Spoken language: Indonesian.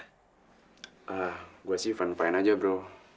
saya sih baik baik saja bro